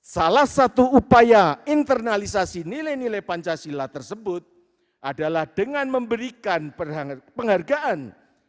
salah satu upaya internalisasi nilai nilai pancasila tersebut adalah dengan memberikan penghargaan